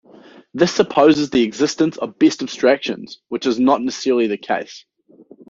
This supposes the existence of best abstractions, which is not necessarily the case.